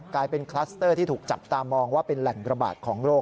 กลายเป็นคลัสเตอร์ที่ถูกจับตามองว่าเป็นแหล่งระบาดของโรค